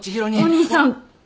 お兄さん。